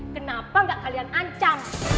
kenapa nggak kalian ancam